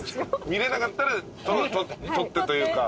見れなかったらとってというか。